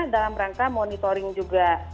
dalam rangka monitoring juga